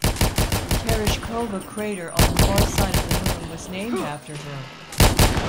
Tereshkova crater on the far side of the Moon was named after her.